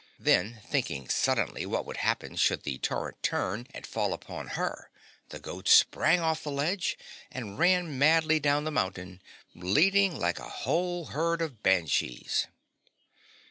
Then thinking suddenly what would happen should the torrent turn and fall upon her, the goat sprang off the ledge and ran madly down the mountain, bleating like a whole herd of Banshees.